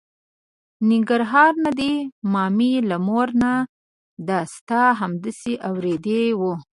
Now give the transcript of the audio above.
ننګرهار نه دی، ما مې له مور نه دا ستا همداسې اورېدې وه.